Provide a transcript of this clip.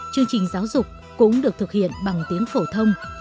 chương trình giáo dục cũng được thực hiện bằng tiếng phổ thông